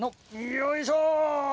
よいしょ！